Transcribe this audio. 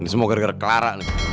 ini semua gara gara clara nih